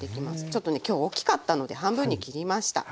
ちょっとね今日大きかったので半分に切りました。